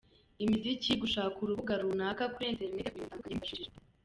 imiziki, gushaka urubuga runaka kuri internet kugura ibintu bitandukanye wifashishije